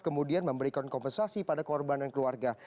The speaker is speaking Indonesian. kemudian memberikan kompensasi pada korban dan keluarga